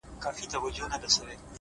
زړورتیا ویره کمزورې کوي!